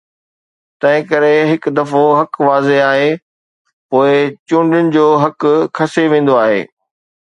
تنهن ڪري، هڪ دفعو حق واضح آهي، پوء چونڊڻ جو حق کسي ويندو آهي.